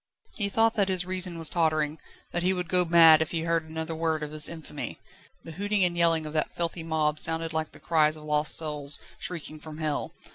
He thought that his reason was tottering, that he would go mad if he heard another word of this infamy. The hooting and yelling of that filthy mob sounded like the cries of lost souls, shrieking from hell.